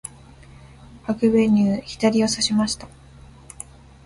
アグベニュー、左をさしました。